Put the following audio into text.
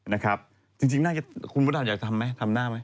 นะครับจริงน่าจะคุณพระดำอยากทำไหมทำหน้าไหม